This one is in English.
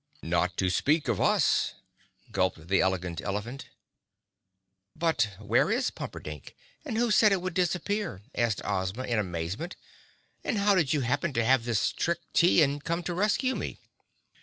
"Not to speak of us," gulped the Elegant Elephant. "But where is Pumperdink, and who said it would disappear?" asked Ozma in amazement. "And how did you happen to have this Trick Tea and come to rescue me?"